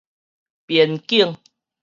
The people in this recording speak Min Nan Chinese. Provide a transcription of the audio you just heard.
邊境